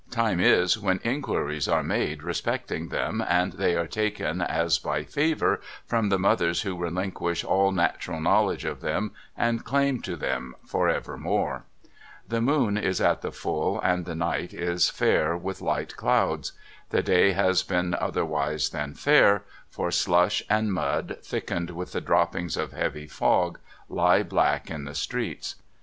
Time is, when inquiries are made respecting them, and they are taken as by favour from the mothers who relinquish all natural knowledge of them and claim to them for evermore. The moon is at the full, and the night is fair with light clouds. The day has been otherwise than fair, for slush and mud, thickened with the droppings of heavy fog, lie black in the streets.